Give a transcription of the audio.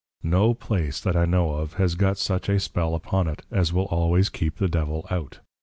No Place, that I know of, has got such a Spell upon it, as will always keep the Devil out.